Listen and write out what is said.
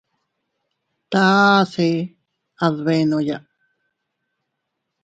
Tase a dbenoya.